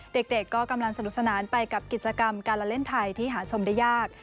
เด็กก็กำลังสนุกสนานไปกับกิจกรรมการละเล่นไทยที่หาชมได้ยาก